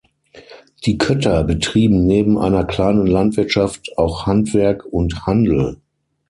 Die Kötter betrieben neben einer kleinen Landwirtschaft auch Handwerk und Handel.